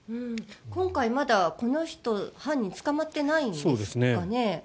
今回、まだこの犯人捕まってないんですかね。